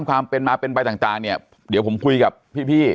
ความเป็นมาเป็นไปต่างเนี่ยเดี๋ยวผมคุยกับพี่